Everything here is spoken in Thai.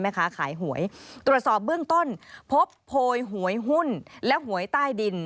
แม่ค้าขายหวยตรวจสอบเบื้องต้นพบโพยหวยหุ้นและหวยใต้ดิน